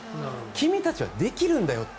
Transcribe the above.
君たちはできるんだよ。